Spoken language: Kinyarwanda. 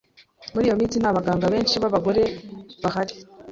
Muri iyo minsi nta baganga benshi b'abagore bari.